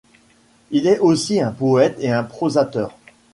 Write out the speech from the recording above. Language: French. Il est aussi un poète et un prosateur.